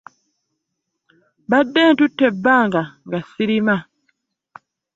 Mbadde ntute ebanga nga sirima.